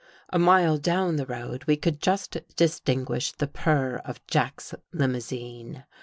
A mile down the road, , we could just distinguish the purr of Jack's limousine.